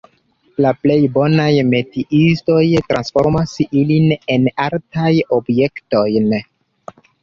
La plej bonaj metiistoj transformas ilin en artaj objektojn.